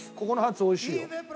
ここのハツおいしいよ。